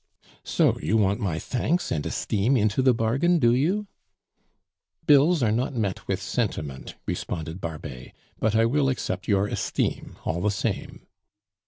"So you want my thanks and esteem into the bargain, do you?" "Bills are not met with sentiment," responded Barbet; "but I will accept your esteem, all the same."